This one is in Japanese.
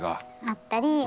あったり。